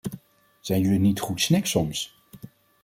Zijn jullie niet goed snik soms?